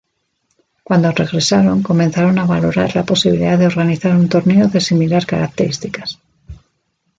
Cuando regresaron comenzaron a valorar la posibilidad de organizar un torneo de similar características.